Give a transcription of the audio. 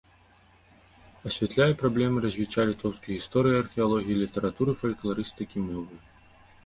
Асвятляе праблемы развіцця літоўскай гісторыі, археалогіі, літаратуры, фалькларыстыкі, мовы.